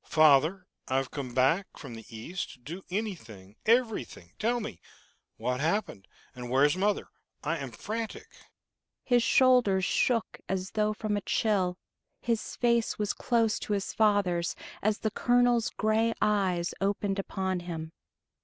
"Father, I've come back from the East to do anything, everything. Tell me what happened, and where is mother? I am frantic!" His shoulders shook as though from a chill. His face was close to his father's, as the colonel's gray eyes opened upon him.